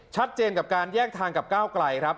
ชัดเจนกับการแยกทางกับก้าวไกลครับ